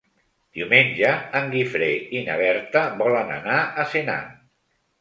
Diumenge en Guifré i na Berta volen anar a Senan.